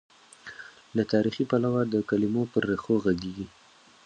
له تاریخي، پلوه د کلمو پر ریښو غږېږي.